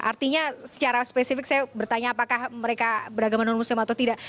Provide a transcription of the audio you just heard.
artinya secara spesifik saya bertanya apakah mereka beragama non muslim atau tidak